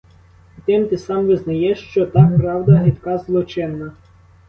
І тим ти сам визнаєш, що та правда — гидка, злочинна.